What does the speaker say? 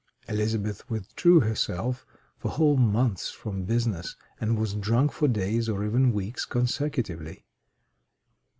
Elizabeth withdrew herself for whole months from business, and was drunk for days or even weeks consecutively.